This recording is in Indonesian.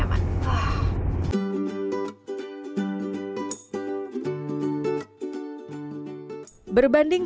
agar tetapi jago chuja sveng pesleng